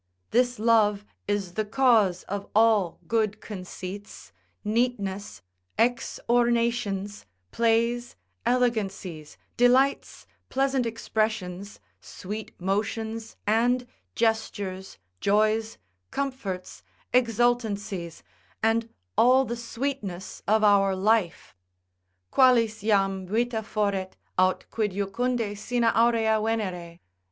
This love is the cause of all good conceits, neatness, exornations, plays, elegancies, delights, pleasant expressions, sweet motions, and gestures, joys, comforts, exultancies, and all the sweetness of our life, qualis jam vita foret, aut quid jucundi sine aurea Venere?